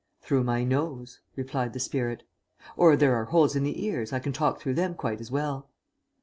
"Through my nose," replied the spirit. "Or there are holes in the ears, I can talk through them quite as well."